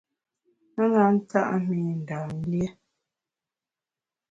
A na nta’ mi Ndam lié.